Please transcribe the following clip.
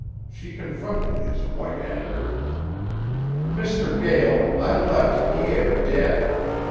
She confronted his white anger. "Mr. Gael, I left Pierre dead.